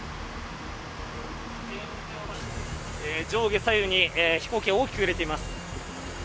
上下、左右に、飛行機が大きく揺れています。